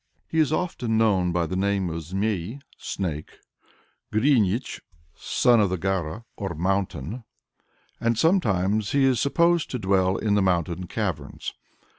He is often known by the name of Zméï [snake] Goruinuich [son of the gora or mountain], and sometimes he is supposed to dwell in the mountain caverns.